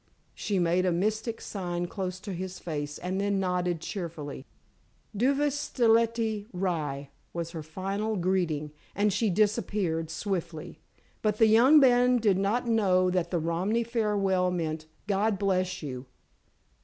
she made a mystic sign close to his face and then nodded cheerily. "Duveleste rye!" was her final greeting, and she disappeared swiftly, but the young man did not know that the Romany farewell meant, "God bless you!"